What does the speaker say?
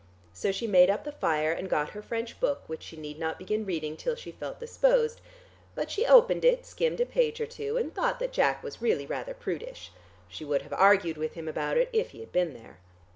So she made up the fire and got her French book which she need not begin reading till she felt disposed. But she opened it, skimmed a page or two, and thought that Jack was really rather prudish. She would have argued with him about it if he had been here.